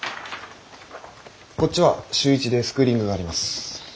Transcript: こっちは週１でスクーリングがあります。